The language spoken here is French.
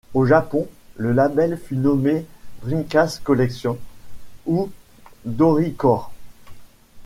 Au Japon, le label fut nommé Dreamcast Collection, ou DoriKore.